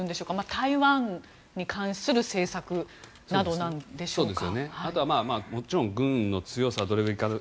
台湾に関する政策などでしょうか。